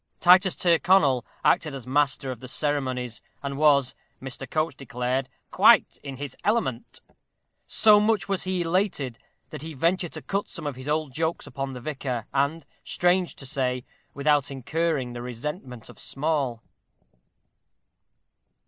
Titus Tyrconnel acted as master of the ceremonies, and was, Mr. Coates declared, "quite in his element." So much was he elated, that he ventured to cut some of his old jokes upon the vicar, and, strange to say, without incurring the resentment of Small.